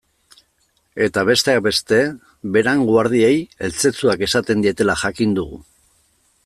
Eta, besteak beste, Beran guardiei eltzetzuak esaten dietela jakin dugu.